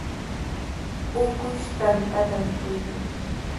Ukush tantata mikuykan.